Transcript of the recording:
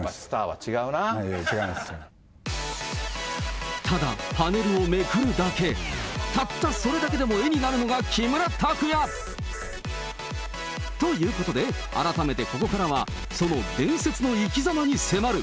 違います、ただ、パネルをめくるだけ、たったそれだけでも絵になるのが木村拓哉。ということで、改めてここからは、その伝説の生きざまに迫る。